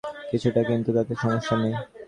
কিছুটা, কিন্তু তাতে সমস্যা নেই।